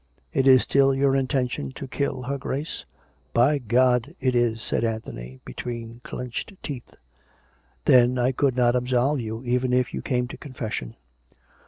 It is still your intention to kill her Grace ?"" By God ! it is !" said Anthony, between clenched teeth. " Then I could not absolve you, even if you came to con fession.